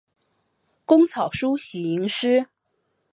工草书喜吟诗。